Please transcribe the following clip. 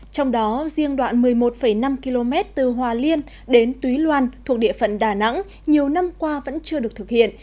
trong đó riêng đoạn một mươi một năm km từ hòa liên đến túy loan thuộc địa phận đà nẵng nhiều năm qua vẫn chưa được thực hiện